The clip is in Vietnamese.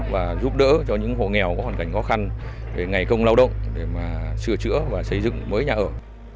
và giúp đỡ cho những hộ nghèo có hoàn cảnh khó khăn về ngày công lao động để mà sửa chữa và xây dựng mới nhà ở